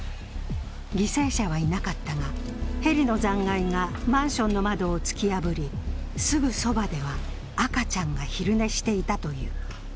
犠牲者はいなかったが、ヘリの残骸がマンションの窓を突き破りすぐそばでは赤ちゃんが昼寝していたという。